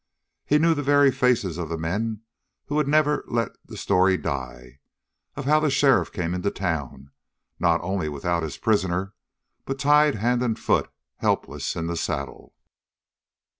He knew the very faces of the men who would never let the story die, of how the sheriff came into town, not only without his prisoner, but tied hand and foot, helpless in the saddle.